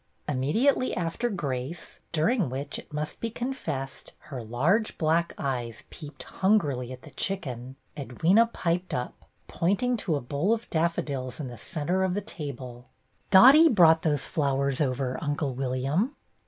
Immediately after grace, during which, it must be confessed, her large black eyes peeped hungrily at the chicken, Edwyna piped up, pointing to a bowl of daffodils in the centre of the table: "Dottie brought those flowers over. Uncle William."